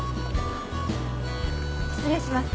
失礼します。